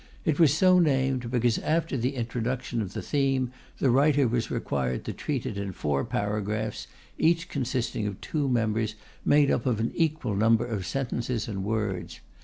It was so named, because after the introduction of the theme the writer was required to treat it in four paragraphs, each consisting of two members, made up of an equal number of sentences and words.